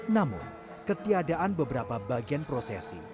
namun ketiadaan beberapa bagian prosesi